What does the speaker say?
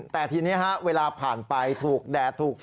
แต่ทีนี้เวลาผ่านไปถูกแดดถูก